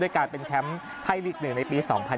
การเป็นแชมป์ไทยลีก๑ในปี๒๐๑๖